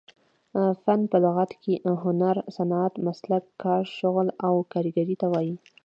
فن په لغت کښي هنر، صنعت، مسلک، کار، شغل او کاریګرۍ ته وايي.